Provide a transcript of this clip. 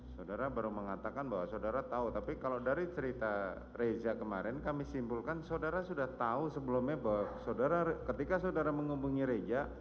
saudara baru mengatakan bahwa saudara tahu tapi kalau dari cerita reza kemarin kami simpulkan saudara sudah tahu sebelumnya bahwa ketika saudara menghubungi reja